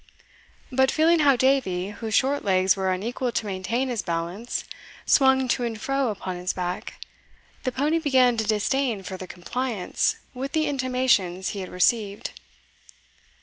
But feeling how Davie, whose short legs were unequal to maintain his balance, swung to and fro upon his back, the pony began to disdain furthur compliance with the intimations he had received.